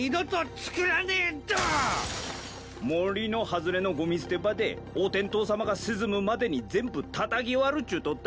森の外れのごみ捨て場でお天道さまが沈むまでに全部たたき割るっちゅうとった。